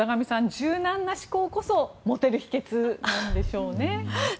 柔軟な思考こそモテる秘けつなんでしょうね。